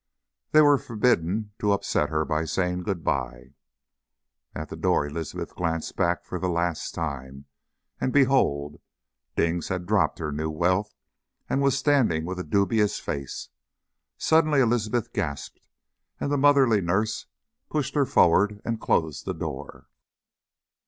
They were forbidden to upset her by saying good bye. At the door Elizabeth glanced back for the last time, and behold! Dings had dropped her new wealth and was standing with a dubious face. Suddenly Elizabeth gasped, and the motherly nurse pushed her forward and closed the door.